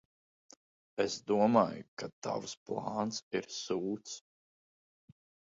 Es domāju, ka tavs plāns ir sūds.